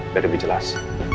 biar lebih jelas